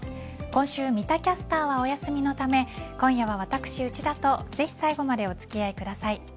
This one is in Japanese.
今週三田キャスターがお休みのため今夜は内田とぜひ最後までお付き合いください。